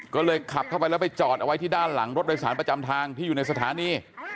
ก็เลยขับเข้าไปแล้วไปจอดเอาไว้ที่ด้านหลังรถโดยสารประจำทางที่อยู่ในสถานี